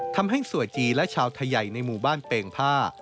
ทำให้สวยจีและชาวไทยใหญ่ในหมู่บ้านเป่งผ้า